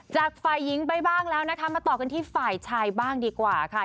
จากฝ่ายหญิงไปบ้างแล้วนะคะมาต่อกันที่ฝ่ายชายบ้างดีกว่าค่ะ